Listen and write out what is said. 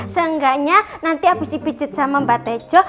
seenggaknya nanti abis dipijit sama mbah tejo